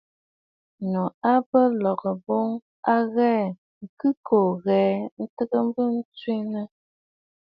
Ŋù à bə ləŋ boŋ a ghɛɛ ŋ̀khɨ̂kòò ghɛɛ ntɨɨ bɨ twiŋə̀.